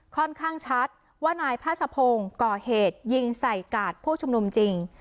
ค่อนข้างชัดว่านายพาสะพงศ์ก่อเหตุยิงใส่กาดผู้ชุมนุมจริง